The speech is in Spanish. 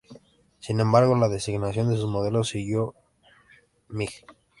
Sin embargo, la designación de sus modelos siguió siendo "MiG".